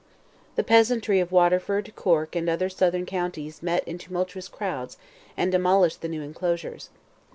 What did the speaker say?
The peasantry of Waterford, Cork, and other southern counties met in tumultuous crowds, and demolished the new enclosures.